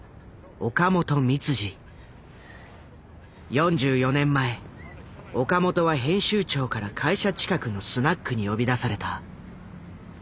４４年前岡本は編集長から会社近くのスナックに呼び出された。